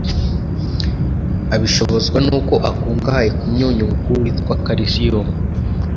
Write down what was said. abishobozwa nuko akungahaye ku munyungugu witwa calicium